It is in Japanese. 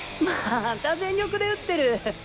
また全力で打ってる。